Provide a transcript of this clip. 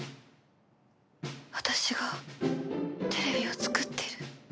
私がテレビをつくってる。